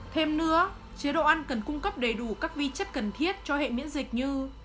thêm nữa chế độ ăn cần cung cấp đầy đủ các vi chất cần thiết cho hệ miễn dịch như